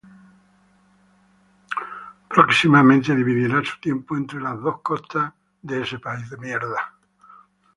Próximamente dividirá su tiempo entre las dos costas de Estados Unidos.